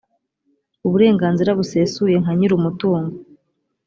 uburenganzira busesuye nka nyir umutungo